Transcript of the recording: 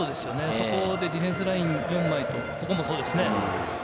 そこでディフェンスライン４枚と、ここもそうですね。